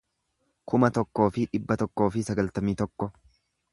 kuma tokkoo fi dhibba tokkoo fi sagaltamii tokko